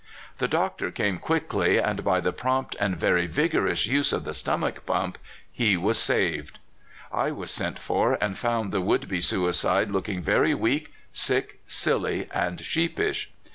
The doctor came quickly, and by the prompt and very vigorous use of the stomach pump he was saved. I was sent for, and found the would be suicide looking very weak, sick, silly, and sheep ish.